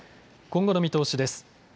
今後の見通しです。